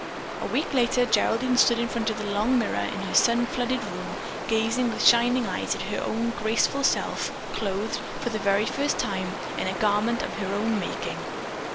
A week later Geraldine stood in front of the long mirror in her sun flooded room, gazing with shining eyes at her own graceful self, clothed, for the very first time, in a garment of her own making.